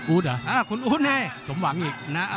อู๋ตหรออ่าคุณอู๋ตสมหวังอีก